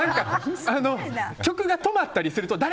曲が止まったりすると誰？